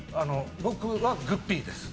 僕はグッピーです！